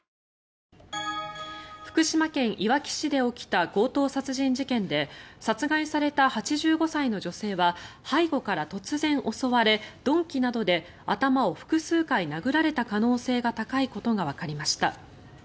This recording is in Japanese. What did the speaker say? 福島県いわき市で起きた強盗殺人事件で殺害された８５歳の女性は背後から突然襲われ鈍器などで頭を複数回殴られた可能性が高いことがわかりました。